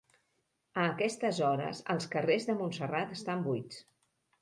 A aquestes hores els carrers de Montserrat estan buits.